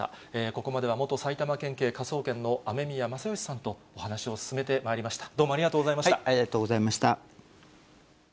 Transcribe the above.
ここまでは、元埼玉県警科捜研の雨宮正欣さんとお話しを進めてまいりました。